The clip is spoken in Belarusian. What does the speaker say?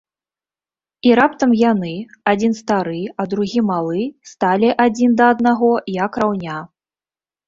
І раптам яны, адзін стары, а другі малы, сталі адзін да аднаго, як раўня.